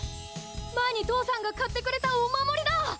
前に父さんが買ってくれたお守りだ。